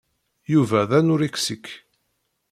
Yuba d anuriksik.